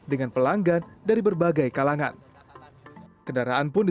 ini nanti juga naik ke atas ini